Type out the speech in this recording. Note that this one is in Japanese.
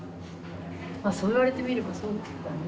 あそう言われてみればそうだね。